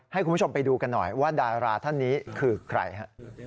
ให้คุณผู้ชมไปดูกันหน่อยว่าดาราท่านนี้คือใครฮะ